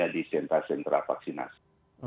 di sentra sentra vaksinasi